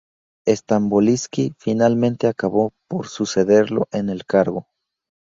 Stamboliski finalmente acabó por sucederlo en el cargo.